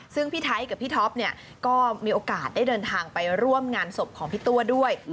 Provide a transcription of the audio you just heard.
ซึ่งพี่ไทยกับพี่ท็อปเนี่ยก็มีโอกาสได้เดินทางไปร่วมงานศพของพี่ตัวด้วย